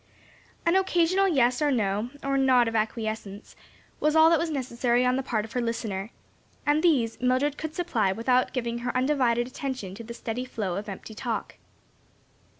An occasional yes, or no, or nod of acquiescence, was all that was necessary on the part of her listener; and these Mildred could supply without giving her undivided attention to the steady flow of empty talk.